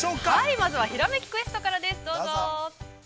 ◆まずは「ひらめきクエスト」からです、どうぞ。